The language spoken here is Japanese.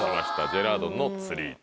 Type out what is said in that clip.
ジェラードンのつり糸。